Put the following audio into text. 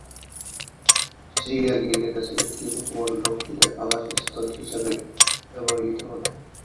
সিরিয়ার গেটের কাছে একটি ভবন রক্ষীদের আবাসস্থল হিসাবে ব্যবহৃত হতো।